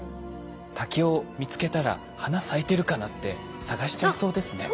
竹を見つけたら花咲いてるかなって探しちゃいそうですね。